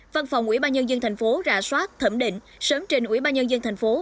văn phòng ủy ban nhân dân tp hcm ra soát thẩm định sớm trình ủy ban nhân dân tp hcm